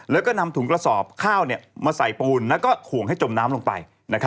แล้วก็นำถุงกระสอบข้าวมาใส่ปูนแล้วก็ถ่วงให้จมน้ำลงไป